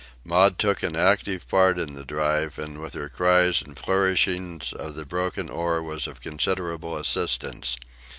Maud took an active part in the drive, and with her cries and flourishings of the broken oar was of considerable assistance.